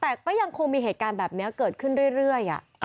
แต่ก็ยังคงมีเหตุการณ์แบบนี้เกิดขึ้นเรื่อย